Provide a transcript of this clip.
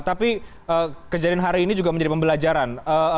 tapi kejadian hari ini juga menjadi pembelajaran